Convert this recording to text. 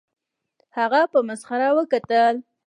هغه په مسخره وکتل